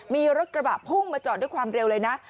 มีรถกระบะพุ่งมาจอดด้วยความเร็วเลยนะ